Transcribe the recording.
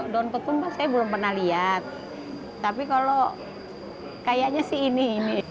daun ketum saya belum pernah lihat tapi kalau kayaknya sih ini ini